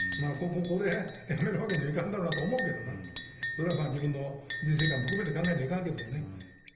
ここで辞めるわけにはいかんだろうなと思うけどな、それは自分の人生観も含めて考えないとな。